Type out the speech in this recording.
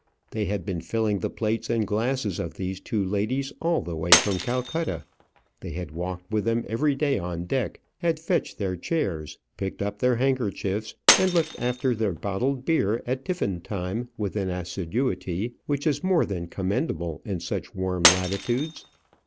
They had been filling the plates and glasses of these two ladies all the way from Calcutta; they had walked with them every day on deck, had fetched their chairs, picked up their handkerchiefs, and looked after their bottled beer at tiffin time with an assiduity which is more than commendable in such warm latitudes.